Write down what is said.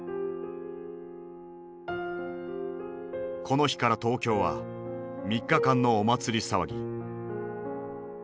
この日から東京は３日間のお祭り騒ぎ。